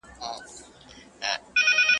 د گل د رويه ځوز هم اوبېږي.